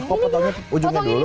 kok potong ujungnya dulu